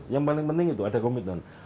yang paling penting itu ada komitmen